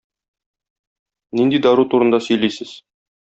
Нинди дару турында сөйлисез!